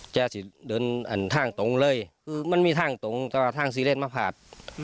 จะเดินทางตรงเลยคือมันมีทางตรงแต่ว่าทางซีเลนมาผ่าน